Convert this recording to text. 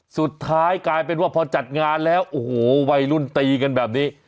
สุดท้ายกลายเป็นว่าพอจัดงานแล้วโอ้โหวัยรุ่นตีกันแบบนี้